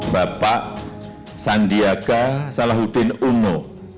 bapak sandiaga salahuddin uno